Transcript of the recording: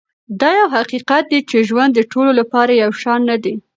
دا یو حقیقت دی چې ژوند د ټولو لپاره یو شان نه دی.